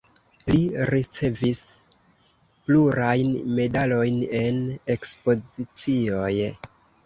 Li ricevis plurajn medalojn en ekspozicioj.